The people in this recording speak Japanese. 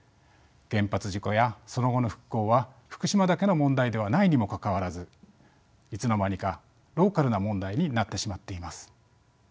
原発事故やその後の復興は福島だけの問題ではないにもかかわらずいつの間にかローカルな問題になってしまっています。